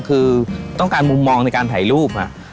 คือต้องการมุมมองในการถ่ายรูป